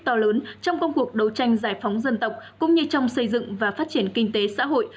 to lớn trong công cuộc đấu tranh giải phóng dân tộc cũng như trong xây dựng và phát triển kinh tế xã hội